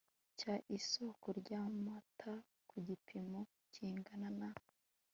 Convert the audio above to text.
cya isoko ry amata ku gipimo kingana na